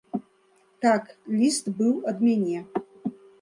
Так, ліст быў ад мяне.